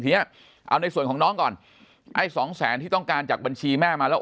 เนี้ยเอาในส่วนของน้องก่อนไอ้สองแสนที่ต้องการจากบัญชีแม่มาแล้ว